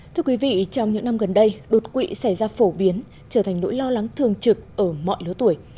thưa quý vị trong những năm gần đây đột quỵ xảy ra phổ biến trở thành nỗi lo lắng thường trực ở mọi lứa tuổi